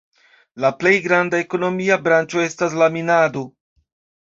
La plej granda ekonomia branĉo estas la minado.